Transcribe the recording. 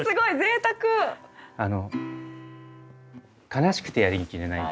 「悲しくてやりきれない」。